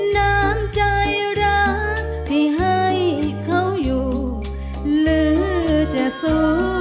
นางใจรักที่ให้เขาอยู่หรือจะสู้นาน